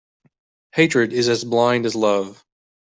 Hatred is as blind as love.